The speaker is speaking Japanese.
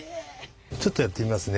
ちょっとやってみますね。